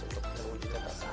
untuk menunjukkan taksarah